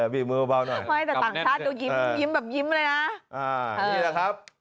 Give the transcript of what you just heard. นี่แหละครับ